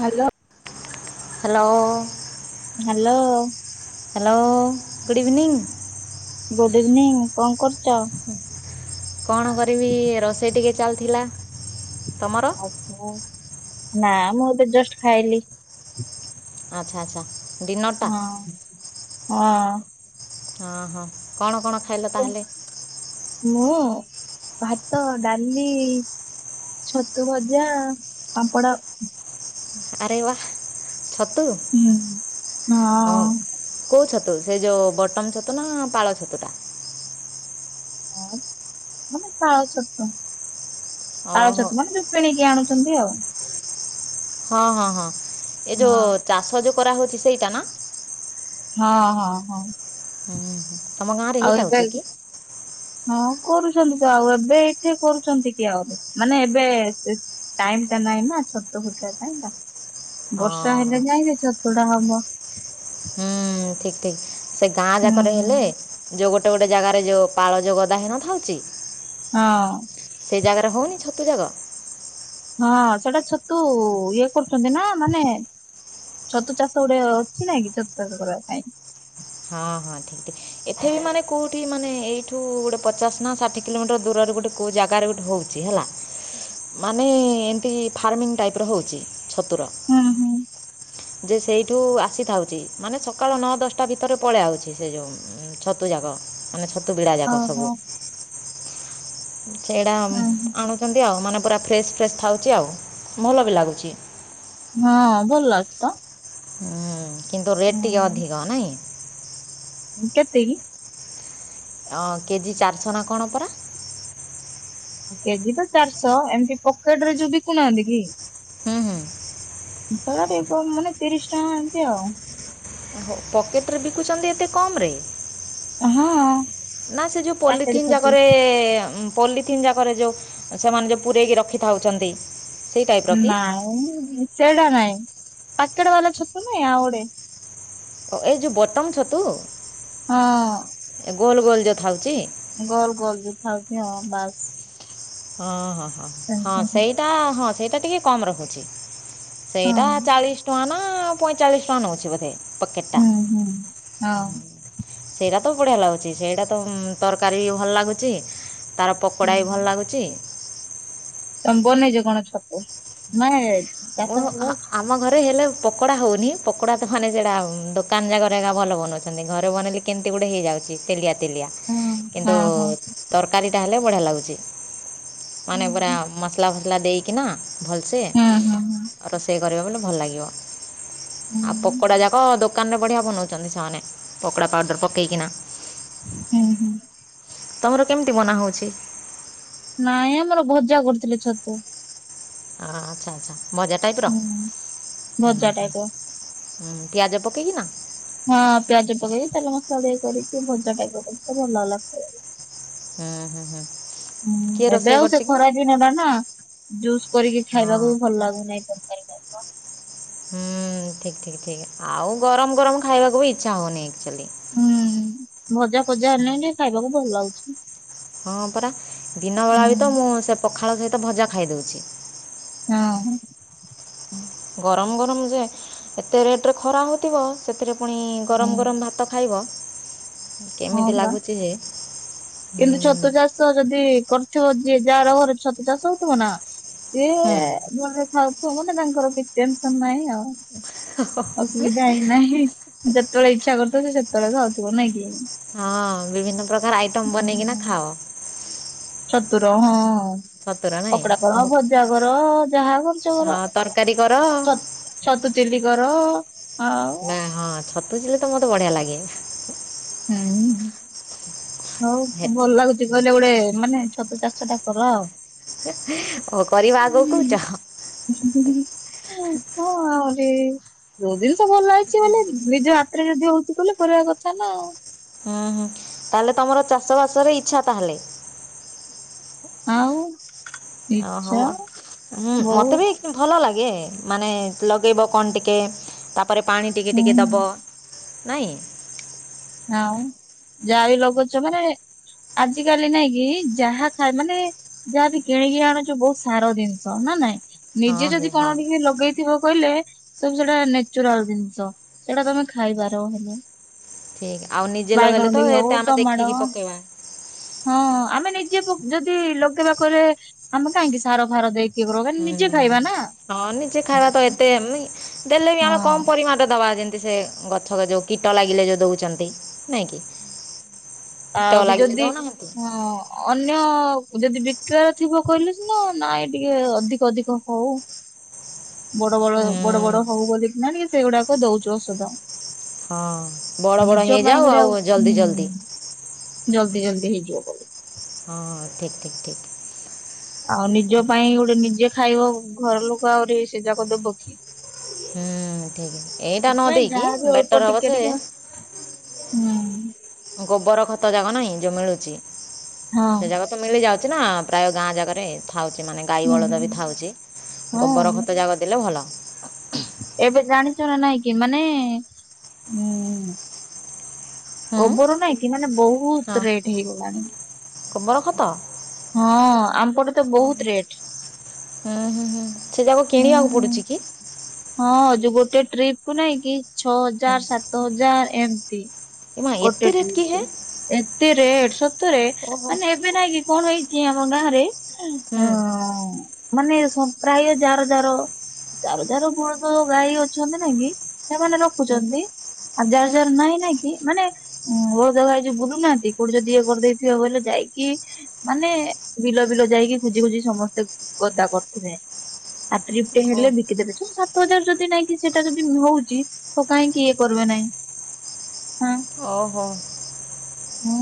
Hello hello. Hello. Hello good evening. Good evening କଣ କରୁଛ। କଣ କରିବି ରୋଷେଇ ଟିକେ ଚାଲି ଥିଲା ତମର। ନା ମୁଁ ଏତ ଜଷ୍ଟ ଖାଇଲି। ଆଚ୍ଛା ଆଚ୍ଛା। ଡିନର୍ଟା ହଁ ହଁ। ହଁ ହଁ କଣ କଣ ଖାଇଲ ତାହେଲେ। ମୁଁ ଭାତ ଡାଲି। ଛତୁ ଭଜା ପାମ୍ପଡା। ଆରେ ବାୱ ଛତୁ ହୁଁ। ଅ ହଁ। କୋଉ ଛତୁ। ଛତୁ ସେ ଯୋଉ ବଟମ ଛତୁ ନା ପାଳ ଛତୁ ଟା। ହ ମାନେ ତା ଓହୋ ଅଛତଉଛତ ମାନେ କିଣିକି ଆଣୁଛନ୍ତି ଆଉ। ହଁ ହଁ ହଁ ଏ ହଁ ଯୋଉ ଚାଷ ଯୋଉ କରାହଉଛି ସେଇଟା ନା। ହଁ ହଁ ହଁ। ହୁଁ ହୁଁ। ଆଉ ଏବେ ହଁ କରୁଛନ୍ତି ତ ଆଉ ଏବେ ଏଠି କରୁଛନ୍ତି କି ଆହୁରି। ମାନେ ଏବେ ଟାଇ ଟା ନାଇଁ ନା ଛୋଟ ଖୁଟା କାଇଁ। ବର୍ଷା ହଁ ହେଲେ ଯାଇ ଯେ ଚତୁଡା ହବ। ହୁଁ ଠିକ ଠିକ ସେ ଗାଁ ହୁଁ ଯାକରେ ହେଲେ ଯୋଉ ଗୋଟେ ଗୋଟେ ଗୋଟେ ଜାଗାରେ ଯେଉଁ ପାଳଜ ଗଦାହୀନ ଉଛି। ହଁ। ସେଇ ଜାଗାରେ ହଉନି ଛତୁ ଜାଗା। ହଁ ସେଟା ଛତୁ ଇଏ କରୁଛନ୍ତି ନା ମାନେ ଛତୁ ଚାଷ ଗୋଟେ ଅଛି ନାଇ କି ଛତୁ ଚାଷ କରିବା ପାଇଁ। ହଁ ହଁ ଠିକ ିକ। ଏଠେ ବି ମାନ କୋଉଠି ମାନେ ଏଇଠୁ ଗୋଟେ ପଚାଶ ନା ଷାଠି କିଲୋମିଟର ଦୂରରେ ଗୋଟେ କୋଉ ଜାଗାରେ ଗୋଟେ ହଉଛି। ହେଲା ମାନେ ଏମିତି ଫାର୍ମିଂ ଟାଇପ୍ର ହେଉଛି। ତଠୁ ଆ ସ ନ। ହୁଁ ହୁଁ ଟା ଭିତରେ ପଳେଇ ଆାଉଛି ସେ ଯେଉଁ ଛତୁ ଯାକ ମାନେ ଛତୁ ବିଡ଼ା ଯାକ ଓହୋ ସବୁ। ସେଇଟା ହୁଁ ହୁଁ। ଆଣୁଛନ୍ତି ଆଉ ମାନେ ପୁରା ଫ୍ରେେଶ ଫ୍ରେେଶ୍ ଥାଉଛି ଆଉ ଭଲ ବି ଲାଗୁଛି। ହଁ ଭଲଛି ତ। ହୁଁ କିନ୍ତୁ ରେଟ୍ ଟିକେ ଅଧିକ ନାଇଁ। କେଟିକି କେଜି ଚାରିଶହ ନା କଣ ପରା। କେଜି ତ ଚାରିଶହ ଏମିତି ପକେଟ ରେ ଯୋ ବି କୁନାହାନ୍ତି କି। ହୁଁ ହୁଁ। ସ ମାନେ ତିରିଶ ଟଙ୍କା ଏମିତି ଆଉ। ପକେଟରେ ବିକୁଚନ୍ତି ଏତେ କମ ରେ। ହଁ ନା ସେ ଯଉ ପାକେଟ ପଲିଥିନ ଛତୁ। ଯାକରେ ପଲିଥିନ୍ ଯାକରେ ଯେଉଁ ସେମାନେ ଯେଉଁ ପୂରେଇକି ରଖିଥାଉଚନ୍ତି। ନାଇଁ ସେଟା ନାଇଁ ପାକେଟେ ବାଲା ଛତୁ ନୁଏଁ ଆଉ ଗୋଟେ। ଏଇ ଯୋଉ ବଟମ ଛତୁ। ହଁ। ଏ ଗୋଲ ଗୋଲ ଯୋ ଥାଉଚି। ଗୋଲ ଗୋଲ ଯ ଥାଉଚ ହ ବାସ୍। ହଁ ହଁ ହ ହଁ ସେମିତି ସେଇଟା ହଁ ସେଇଟା ଟିକେ କମ ରହୁଛି ସେଇଟା ହଁ। ଚାଳିଶ ଟଙ୍କା ନା ପଇଁଚାଳିଶ ଟଙ୍କା ନେଉଛି ବୋଧେ। ପକେଟା। ହୁଁ ହୁଁ ହଁ ସେଇଡା ତ ବଢ଼ିଆ ଲାଗୁଚି ସେଇଡା ତ ତରକାରୀ ଭଲ ଲାଗୁଚି। ତାର ପକୋଡ଼ା ବି ଭଲ ଲାଗୁଚି। ତମ୍ ବନେଇଚ କଣ ଛତୁ [unintelligible] ବାସ କରୁଛ? [unintelligible] ଆମ ଘରେ ହେଲେ ପକୋଡା ହଉନି ପକୋଡା ତ ମାନେ ସେଡା ଦୋକାନ ଜାକରେ ଭଲ ବନଉଛନ୍ତି ଘରେ ବନେଇଲେ କେମିତି ଗୋଟେ ହେଇଯାଉଚି ତେଲିଆ ତେଲିଆ ହଁ କିନ୍ତୁ ହଁ ତରକାରୀ ଟା ହେଲେ ବଢିଆ ଲାଗୁଚି। ମାନେ ପୁରା ହୁଁ ମସଲା ଫସଲା ଦେଇକିନା ଭଲସେ--' ହୁଁ ହୁଁ ହୁଁ। ରୋଷେଇ କରିବା ବୋଲି ଭଲ ଲାଗିବ ଆଉ ପକୋଡ଼ା ଯାକ ଦୋକ ଦୋକାନରେ ବଢ଼ିଆ ବନଉଚନ୍ତି ସେମାନେ ପକଡ଼ା ପାଡ଼ର ପକେଇକିନା। ହୁଁ ହୁଁ। ତମର କେମିତି ବନା ହଉଚି। ନାଇଁ ଆମର ଭଜା କରୁଥିଲେ ଛତୁ। ଆଚ୍ଛା ଆଚ୍ଛା ଭଜା ଟାଇପ ର। ହୁଁ ହୁଁ ଭଜା ଟାଇପର। ପିଆଜ ପକେଇକି ନା। ହଁ ପିଆଜ ପକେଇକି ତେଲ ମସଲା ଟିକେ କରିକି ଭଜା ଟାଇପ ର [unintelligible] ହୁଁ ହୁଁ ହୁଁ। କିଏ ଏବେ ରୋଷେଇ ଆଉ ସେ କରିଛି କି ଖରା ଦିନଟା ନା। ଜୁସ୍ କରିକି ହଁ ଖାଇବାକୁ ଭଲ ଲାଗୁନାହିଁ ତ ହୁଁ ଠିକ୍ ଠିକ୍ ଠିକ୍ ଆଉ ଗରମ ଗରମ ଖାଇବାକୁ ବି ଇଚ୍ଛା ହଉନି ଆକଚୁଆଲି। ହୁଁ ଭଜା ଫଜା ହେନେ ଟିକେ ଖାଇବାକୁ ଭଲ ଲାଗୁଚି। ହଁ ପରା ଦିନବେଳା ବି ତ ମୁଁ ସେ ପଖାଳ ସହିତ ଭଜା ଖାଇଦଉଚି। ହୁଁ। ଗରମ ଗରମ ଯେ ଏତେ ରେଟ ରେ ଖରା ହଉଥିବ ସେଥିରେ ପୁଣି ହୁଁ ଗରମ ଗରମ ଭାତ ଖାଇବ ହଁ କେମିତି ପରା। ଲାଗୁଚି ଯେ ହୁଁ କିନ୍ତୁ ଛତୁ ଚାଷ ଯଦି କରୁଥିବ ଯିଏ ଯାହାର ଘରେ ଛତୁ ଚାଷ ହଉଥିବ ନା ସିଏ ହୁଁ ଭଲରେ ଖାଉଥିବ ନା ତାଙ୍କର କିଛି ଟେନସନ ନାହିଁ ଆଉ। ଅସୁବିଧା ହି ନାହିଁ। ଯେତେବେଳେ ଇଚ୍ଛା କରୁଥିବ ସେତେବେଳେ ଖାଉଥିବ ନାଇଁକି। ହଁ ବିଭିନ୍ନ ପ୍ରକାର ଆଇଟମ ବନେଇକିନା ଓହୋ। ଖାଅ। ଛତୁର ହଁ। ଛତୁର ନାଇଁ କପଡା କର ଓହୋ ଭଜା କର ଯାହା କରୁଚ ହଁ କର। ତରକାରୀ କର ଛତୁ ଚିଲି କର। ଆଉ ନା ହଁ ଛତୁ ଚିଲି ତ ମତେ ବଢିଆ ଲାଗେ। ହୁଁ ହଉ ଭଲ ଲାଗୁଚି କହିଲେ ଗୋଟେ ମାନେ ଛତୁ ଚାଷ ଛଟା କର ଆଉ। ଓ କରିବା ଆଗକୁ କହୁଚ। [unintelligible] କୋଉ ଜିନିଷ ଭଲ ହେଇଛି ମାନେ ନିଜ ହାତରେ ଯଦି ହଉଛି ବଲି କରିବା କଥା ନା। ଆଉ ହୁଁ ହୁଁ ତାହେଲେ ତମର ଚାଷବାସରେ ଇଚ୍ଛା ତାହେଲେ? ଆଉ। ଓହୋ ଇଚ୍ଛା ବା ହୁଁ ବୋଉ ମତେ ବି ଭଲ ଲାଗେ ମାନେ ଲଗେଇବ କଣ ଟିକେ ତାପରେ ପାଣି ଟିକେ ହୁଁ ଟିକେ ଦବ। ନାଇଁ। ଆଉ ଯାଇ ଲଗଉଛ ମାନେ ଆଜ କାଲି ନାଇଁ କି ଯାହା ଖାଏ ମାନେ ଯାହା ବି କିଣିକି ଆଣୁଛୁ ବହୁତ ସାର ଜିନିଷ ନା ନାଇଁ ହଁ ନିଜେ ହେ ଯଦି ହଁ କଣ ଟିକେ ଲଗେଇ ଥିବ କହିଲେ ସବୁ ସେଟା ନେଚୁରାଲ ଜିନିଷ ସେଇଟା ତମେ ଖାଇବାର ହେଲେ। ଠିକ ଆଉ ନିଜେ ବାଇଗଣ ଲଗେଇଲେ ତ ଟିକେ ହଉ ଏତେ ଆମେ ଦେଖିକି ଟମାଟୋ ପକେଇବା ହଁ ଆମେ ନିଜେ ଯଦି ଲଗେଇବା ଘରେ ରେ ଆମେ କାହିଁକି ସାର ଫାର ଦେଇ ହୁଁ ହଁ ନିଜେ ଖାଇବା ତ ଏତେ ଦେଲେ ବି ଆମେ କମ ହଁ ପରିମାଣ ଦବା ଯେମିତି ସେ ଗଛ ଯୋଉ କୀଟ ଲାଗିଲେ ଯୋଉ ଦଉଛନ୍ତି। ନାଇଁ କି କୀଟ ଆହୁରି ଲାଗିଲେ ଯଦି ଦଉନାହାନ୍ତି ହଁ। ଅନ୍ୟ ଯଦି ବିକ୍ରାର ଥିବ କହିଲେ ସିନା ନାଇଁ ଟିକେ ଅଧିକ ଅଧିକ ହଉ। ବଡ ବଡ ହୁଁ ବଡ ବଡ ହଉ ବୋଲିକିନା ଟିକେ ସେଗୁଡାକ ଦଉଛୁ ଔଷଧ। ହଁ ବଡ ବଡ ନିଜ ପାଇଁ ହେଇଯାଉ ଗୋଟେ ଆଉ ହୁଁ ଜଲଦି ଜଲଦି। ଜଲଦି ଜଲଦି ହେଇଯିବ। ବୋଲି। ହଁ ମ ଠିକ ଠିକ୍ ଠିକ୍। ଆଉ ନିଜ ପାଇଁ ଗୋଟେ ନିଜେ ଖାଇବ ଘର ଲୋକ ଆହୁରି ସେ ଯାକ ଦବ କି। ହୁଁ ଠିକ ଏଇଟା ନ ସେଥିପାଇଁ ଦେଇକି ଯାହାବି ଅଳ୍ପ ବେଟର ହବ ଟିକେ ସେ ଟିକେ ହୁଁ। ଗୋବର ଖତ ଜାଗ ନାହିଁ ଯୋଉ ମିଳୁଛି ହଁ ସେ ଜାଗ ମିଳି ଯାଉଛି ନା ପ୍ରାୟ ଗାଁ ଜାଗାରେ। ଥାଉ ଛି ମାନେ ଗାଈ ହୁଁ ବଳଦ ହୁଁ ରେ ଥାଉଛି ଗୋବର ହଁ। ଖତ ଯାକ ଦେଲେ ଭଲ ଏବେ ଜାଣିଛ ନା ନାଇଁ କି ମାନେ ହୁଁ। ହୁଁ ଗୋବର ନାଇକି ମାନେ ବହୁତ ରେଟ୍ ହେଇଗଲାଣି। କଵର ଖତ ହଁ ଆମ୍ପଟେ ତ ବହୁତ ରେଟ୍। ହୁଁ ହୁଁ ହୁଁ ସେ ଯାକ କିଣିବାକୁ ହୁଁ। ପଡୁଛି କି? ହଁ ଯଉ ଗୋଟେ ଟ୍ରିପି କୁ ନାଇଁ କି ଛଅ ହୁଁ ହଜାର ସାତ ହଜାର ଏମିତି। ଏ ମା ଏତେ ଗୋଟେ ରେଟ୍ କି ଟ୍ରୀପି ହେ କୁ। ଏତେ ରେଟେ ସତରେ ଓହୋ ମାନେ ଏବେ ନାଇଁ କି କଣ ହେଇଛି ଆମ ଗାଁ ରେ ହୁଁ ହ ମାନେ ପ୍ରାୟ ଯାର ଯାର ଯାାର ବୁଳଦ ଗାଈ ଅଛନ୍ତି ନାଇ କି ସେମାନେ ହୁଁ ରଖୁଛନ୍ତି। ଆଉ ଯାହା ଯାର ନାଇଁ ନାଇଁ କିି ମାନେ ବଳଦ ଗାଈ ଯଉ ବୁଲୁନାହାନ୍ତି କୋଉଠି ଯଦି ଇଏ କରିଦେଇଥିବ ବୋଇଲେ ଯାଇକି। ମାନେ ବିଲ ବିଲ ଯାଇକି ଖୋଜି ଖୋଜି ସମସ୍ତେ ଗଦା କରିଥିବେ। ଆପ୍ରିବିଟି ଓ ହେଲେେ। ଦେ ସାତ ହଜାର ଯଦି ନାଇଁ କି ସେଟା ଯଦି ହଉଛି ତ କାହିଁକି ଇଏ କରିବେ ନାହିଁ। ହଁ। ଓହୋ। ହୁଁ।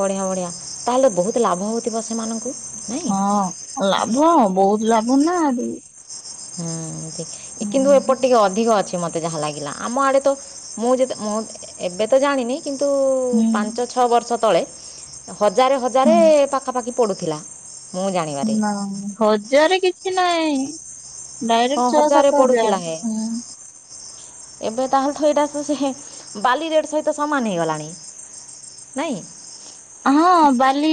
ବଢ଼ିଆ ବଢ଼ିଆ ତାହେଲେ ବହୁତ ଲାଭ ହେଉଥିବ ସେମାନଙ୍କୁ ନାଇଁ ହଁ ଲାଭ ବହୁତ ଲାଭ ନାଆ ହୁଁ କିନ୍ତୁ ଏପଟେ ଟିକେ ଅଧିକ ଅଛି ମତେ ଯାହା ଲାଗିଲା ଆମ ଆଡେ ତ ମୁଁ ଯେ ମୁଁ ଏବେ ତ ଜାଣିନି। କିନ୍ତୁ ହୁଁ। ପାଞ୍ଚ ଛଅ ବର୍ଷ ତଳେ ହଜାରେ ହୁଁ ହଜାରେ ପାଖାପାଖି ପଡ଼ୁଥିଲା। ମୁଁ ଜାଣିବାରେ ନାାଇ ହଜାର କିଛି ନାଇଁ। ହଁ ଡାଇରେକ୍ଟ ଛଅ ହଜାରେ ସାତ ପଡ଼ୁଥିଲା ହଜାର ହେ ହଁ ଏବେ ତାହେଲେଠ ଏଇଟା ତ ସେ ବାଲି ରେଟ୍ ସହିତ ସମାନ ହେଇଗଲାଣି ନାଇଁ ହଁ ବାଲି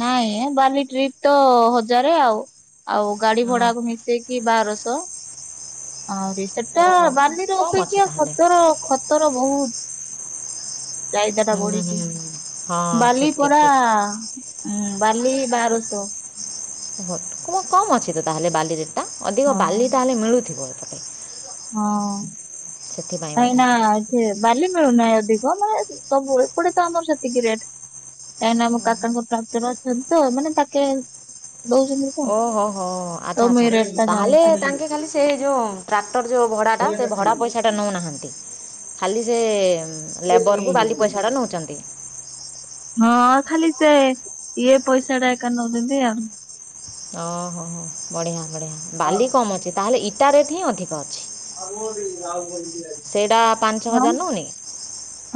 ନାଇଁ ବାଲି ଟ୍ରିପ ତ ହଜାରେ ଆଉ ଆଉ ଗାଡି ହଁ ଭଡାକୁ ମିଶେଇକି ବାରଶହ ଆହୁରି ଓ ସେଟା ବାଲିର କମ୍ ଅଛି ଅପେକ୍ଷା ତାହେଲେ ଖତର ଖତର ବହୁତ ଚାହିଦା ହୁଁ ଟା ହୁଁ ପଢିଛି ହୁଁ। ହଁ ବାଲି ଠିକ୍ ଠିକ୍ ପରା ଠିକ୍ ବାଲି ବାରଶହ କମ୍ ଅଛି ତ ତାହେଲେ ବାଲି ରେଟ୍ଟା ଅଧିକ ହଁ ବାଲି ତାହେଲେ ମିଳୁଥିବ ଏଟ ହଁ କାଇଁ ବୋଧେ ନା ସେ ବାଲି ମିଳୁନାହିଁ ଅଧିକ ମାନେ ସବୁ ଏପଟେ ତ ଆମର ସେତିକି ରେଟ କାହିଁକିନା ଆମ କାକାଙ୍କ ଟ୍ରାକ୍ଟର ଅଛନ୍ତି ତ ମାନେ ପାକେ ଦଉଛନ୍ତି ତ। ଓହୋ ହୋ ତ ଆଚ୍ଛା ମୁଁ ଆଚ୍ଛା ଏଇ ରେଟ୍ ଟା ତାହେଲେ ଜାଣିଛି। ତାଙ୍କେ ଖାଲି ସେଇ ଯୋଉ ଟ୍ରାକ୍ଟର ଯେଉଁ ଭଡ଼ାଟା ସେ ଭଡ଼ା ପଇସାଟା ନେଉନାହାଁନ୍ତି ଖାଲି ସେ ଲେବରକୁ ବାଲି ପଇସାଟା ନଉଛନ୍ତି ହଁ ଖାଲି ସେ ଇଏ ପଇସାଟା ଏକା ନଉଛନ୍ତି ଆଉ ଓହୋ ହୋ ବଢ଼ିଆ ବଢ଼ିଆ ବାଲି କମ ଅଛି ତାହେଲେ ଇଟା ରେଟ୍ ହିଁ ଅଧିକ ଅଛି। [unintelligible] ସେଇଟା ପାଞ୍ଚ ହଁ ହଜାର ନଉନି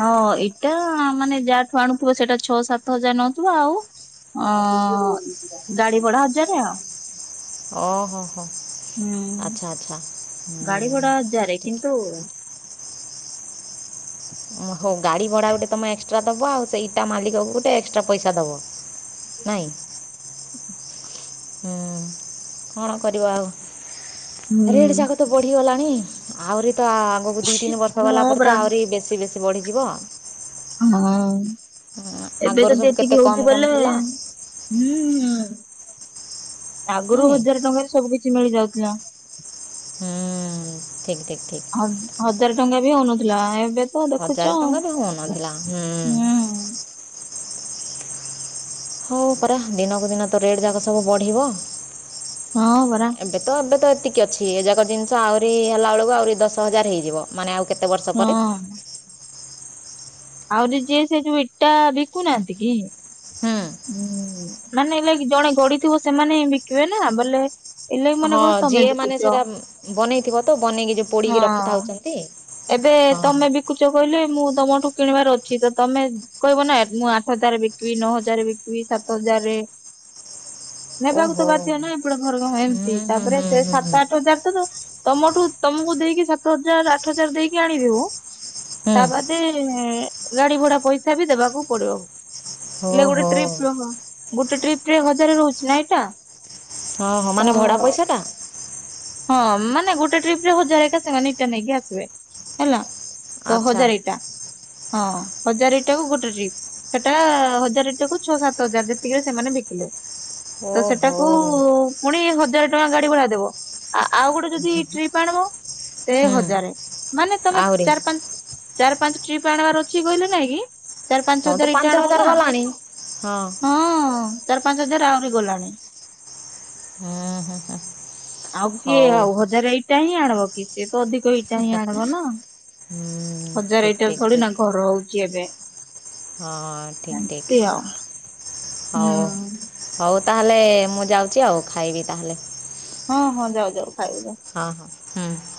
ହଁ ଏଇଟା ମାନେ ଯାହାଠୁ ଆଣୁଥିବ ସେଇଟା ଛଅ ସାତ ହଜାର ନଉଥିବ ଆଉ ଅ ଗାଡି ବଡା ହଜାର ଆଉ ଓ ହୋ ହୋ ହୁଁ ଆଚ୍ଛା ଆଚ୍ଛା ଗାଡି ହୁଁ, ଭଡ଼ା ଠିକ୍ ହଜାରେ ଠିକ୍ କିନ୍ତୁ ହଉ ଗାଡ଼ି ଭଡ଼ା ଗୋଟେ ତୁମେ ଏକ୍ସଟ୍ରା ଦେବ ଆଉ ସେ ଇଟା ମାଲିକକୁ ଗୋଟେ ଏକ୍ସଟ୍ରା ପଇସା ଦେବ। ନାଇଁ ହୁଁ କଣ କରିବ ଆଉ ରେଡ ହୁଁ। ଯାକ ତ ବଢିଗଲାଣି ଆହୁରି ତ ଆଗକୁ ଦି ତିନି ବର୍ଷ ଗଲା ହଁ ପରେ ତ ପରା। ଆହୁରି ବେ ବେଶୀ ବେଶୀ ବଢ଼ିଯିବ ହଁ ଏବେ ଆଗରୁ ଯଦି ସବୁ କେତେ ଏତିକି କମ୍ ହଉଛି କମ୍ ବଲେ ଥିଲା ହୁଁ ହୁଁ ଆଗରୁ ନାଇଁ ହଜାର ଟଙ୍କାରେ ସବୁ କିଛି ମିଳି ଯାଉଥିଲା। ହୁଁ ଠିକ ଠିକ ଠିକ ହଜା ହଜାର ଟଙ୍କା ବି ହୋଇନଥିଲା ଏବେ ହଜାର ଦେଖୁଛ ଟଙ୍କା ବି ଆଇ ହେଉନଥିଲା ହୁଁ ହଉ ପରା ଦିନକୁ ଦିନ ତ ରେଟ୍ ଯାକ ସବୁ ବଢ଼ିବ ହଁ ବରା ଏବେ ତ ଏବେ ତ ଏତିକି ଅଛି ଏଯାକ ଜିନିଷ ଆହୁରି ହେଲାବେଳକୁ ଆହୁରି ଦଶ ହଜାର ହେଇଯିବ ମାନେ ଆଉ କେତେ ବର୍ଷ ପରେ ହଁ ଆହୁରି ଯିଏ ସେ ଯୋଉ ଇଟା ବିକୁନାହାନ୍ତି କି ହୁଁ ମାନେ ଜଣେ ଗଡିଥିବ ସେମାନେ ହିଁ ବିକିବେ ନା ବଲେ ହଁ ଯିଏ ମାନେ ସେଟା ବନେଇଥିବ ତ ବନେଇକି ଯୋଉ ହଁ। ପୋଡିକି ରଖିଥାଉଛନ୍ତି ଏବେ ହଁ ତମେ ହଁ ବି କୁଚ କହିଲେ ମୁଁ ତମଠୁ କିଣିବାର ଅଛି ତମେ କହିବ ନା ମୁଁ ଆଠ ହଜାର ବିକିବି ନଅ ହଜାର ବିକିବି ସାତ ହଜାର ରେ ନେବାକୁ ତ ବାଧ୍ୟ ଓହୋ ନାଁ ଏପଟେ ଘର କ ଏମିତି ହୁଁ ହୁଁ ହୁଁ ତାପରେ ସେ ହୁଁ ସାତ ଆଠ ହଜାର ତ ତ ତମଠୁ ତମକୁ ଦେଇକି ସାତ ହଜାର ଆଠ ହଜାର ଦେଇକି ଆଣିଦବ ମୁଁ ହୁଁ ହୁଁ ତା ବାଦ ଗାଡି ଭଡା ପଇସା ବି ଦେବାକୁ ପଡିବ ହେଲେ ଗୋଟେ ଓହୋ ଟ୍ରିପ ର ଗୋଟେ ଟ୍ରିପ ରେ ହଜାର ରହୁଛି ନା ଇଟା ହଁ ହଁ ମାନେ ଭଡା ପଇସା ଟା ହଁ ମାନେ ଗୋଟେ ଟ୍ରିପ ରେ ହଜାର ଏକା ସେମାନେ ଏଇଟା ନେଇକି ଆସିବେ ହେଲା ତ ଆଚ୍ଛା ହଜାର ଇଟା ହଁ ହଜାର ଇଟାକୁ ଗୋଟେ ଟ୍ରିପ୍ ସେଟା ହଜାର ଇଟାକୁ ଛଅ ସାତ ହଜାର ଯେତିକିରେ ସେମାନେ ବିକିଲେ ତ ଓହୋ ସେଟାକୁ ପୁଣି ହଜାର ଟଙ୍କା ଗାଡି ଭଡା ଦେବ ଆ ଆଉ ଗୋଟେ ଯଦି ଟ୍ରିପ ଆଣିବ ସେ ହୁଁ ହଜାରେ ମାନେ ତମେ ଆହୁରି ଚାରି ପାଞ୍ଚ ଚାରି ପାଞ୍ଚ ଟ୍ରିପ୍ ଆଣିବାର ଅଛି କହିଲେ ନାଇଁ କି ଚାରି ପାଞ୍ଚ ତମ ତ ହଜାର ଇଟା ପାଞ୍ଚ ଆଣିବ ନା ହଜାର ଗଲାଣି ହଁ ହଁ ଚାରି ପାଞ୍ଚ ହଜାର ଆହୁରି ଗଲାଣି ହୁଁ ହୁଁ ହୁଁ ଆଉ କିଏ ହଉ ଆଉ ହଜାର ଇଟା ହିଁ ଆଣବ କି ସେ ତ ଅଧିକ ଇଟା ହିଁ ଆଣିବ ନା ହୁଁ ହଜାରେ ଠିକ୍ ଇଟାରେ ଠିକ୍ ଥୋଡି ନା ଠିକ୍ ଘର ହଉଛି ଏବେ। ହଁ ଠିକ ଏମତି ଠିକ ଆଉ ହଉ। ହୁଁ। ହଉ ତାହେଲେ ମୁଁ ଯାଉଛି ଆଉ ଖାଇବି ତାହେଲେ। ହଁ ହଁ ଯାଅ ଯାଅ ଖାଇବା ଯାଅ। ହଁ ହଁ ହୁଁ।